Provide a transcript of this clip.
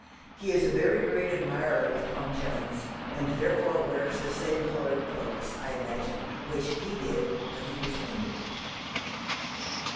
He is a very great admirer of Tom Jones, and therefore wears the same coloured clothes, I imagine, which he did when he was wounded."